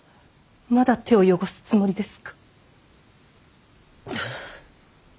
まだ手を汚すつもりですか。